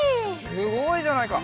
すごいじゃないか！